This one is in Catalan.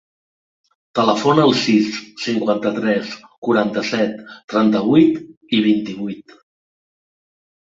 Telefona al sis, cinquanta-tres, quaranta-set, trenta-vuit, vint-i-vuit.